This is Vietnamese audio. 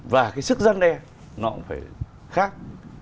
và cái sức gian te nó cũng phải khác